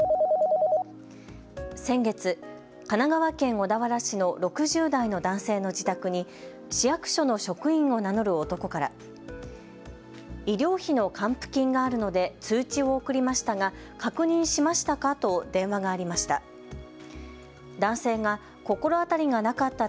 先月、神奈川県小田原市の６０代の男性の自宅に市役所の職員を名乗る男から医療費の還付金があるので通知を送りましたが確認しましたかと電話がありました。